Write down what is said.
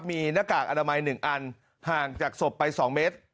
มีหน้ากากอนามัย๑อันห่างจากศพไป๒เมตร